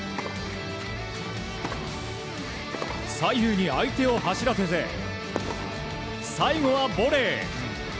左右に相手を走らせて最後はボレー！